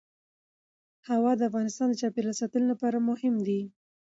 هوا د افغانستان د چاپیریال ساتنې لپاره مهم دي.